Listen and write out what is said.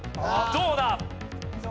どうだ？